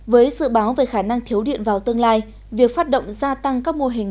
với dự báo về khả năng thiếu điện vào tương lai việc phát động gia tăng các mô hình